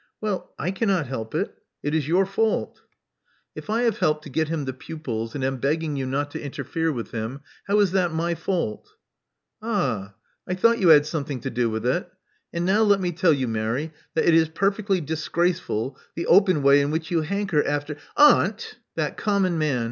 Well, I cannot help it. It is your fault." '*If I have helped to get him the pupils, and am begging you not to interfere with him, how is it my fault?" Ah! I thought you had something to do with it. I04 Love Among the Artists And now let me tell you, Mary, that it is perfectly disgraceful, the open way in which you hanker after " Aunt!*' that common man.